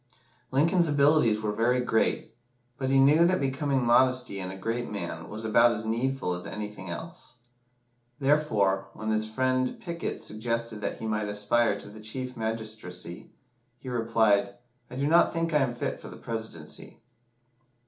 Lincoln's abilities were very great, "but he knew that becoming modesty in a great man was about as needful as anything else." Therefore, when his friend Pickett suggested that he might aspire to the Chief Magistracy, he replied, "I do not think I am fit for the Presidency."